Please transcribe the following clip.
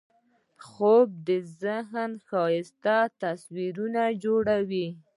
خوب د ذهن ښایسته تصویرونه جوړوي